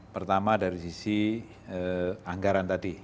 pertama dari sisi anggaran tadi